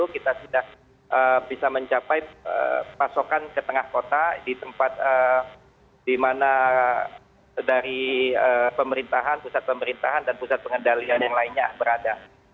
kita sudah bisa mencapai pasokan ke tengah kota di tempat di mana dari pemerintahan pusat pemerintahan dan pusat pengendalian yang lainnya berada